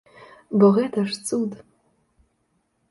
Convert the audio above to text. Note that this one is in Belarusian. Бо гэта ж цуд!